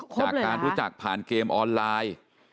จากการรู้จักผ่านเกมออนไลน์